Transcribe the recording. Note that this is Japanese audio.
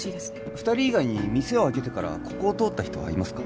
二人以外に店を開けてからここを通った人はいますか？